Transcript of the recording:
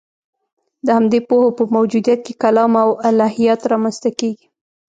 د همدې پوهو په موجودیت کې کلام او الهیات رامنځته کېږي.